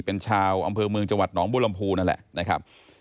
เป็นชาวอำเภอเมืองจังหวัดหนองบุรมภูนั่นแหละนะครับ